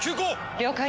了解！